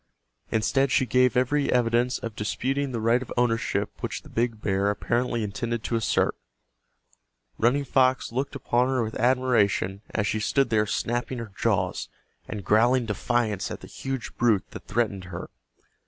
Instead she gave every evidence of disputing the right of ownership which the big bear apparently intended to assert. Running Fox looked upon her with admiration as she stood there snapping her jaws, and growling defiance at the huge brute that threatened her.